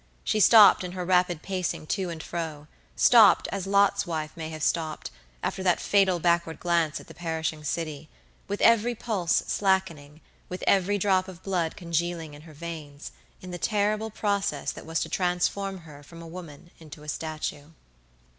She stopped in her rapid pacing to and frostopped as Lot's wife may have stopped, after that fatal backward glance at the perishing citywith every pulse slackening, with every drop of blood congealing in her veins, in the terrible process that was to transform her from a woman into a statue.